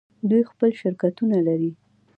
دوی خپل شرکتونه لري.